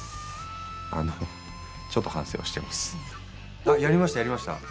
ああ、やりました、やりました。